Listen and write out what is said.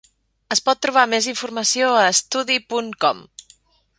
Es pot trobar més informació a Study punt com.